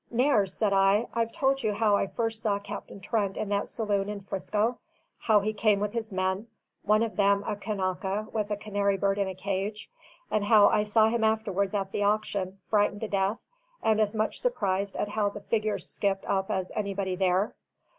"Nares," said I, "I've told you how I first saw Captain Trent in that saloon in 'Frisco? how he came with his men, one of them a Kanaka with a canary bird in a cage? and how I saw him afterwards at the auction, frightened to death, and as much surprised at how the figures skipped up as anybody there?